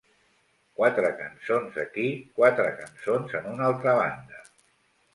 Quatre cançons aquí, quatre cançons en una altra banda.